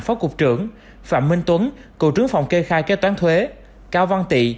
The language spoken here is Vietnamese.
phó cục trưởng phạm minh tuấn cựu trướng phòng kê khai kê toán thuế cao văn tị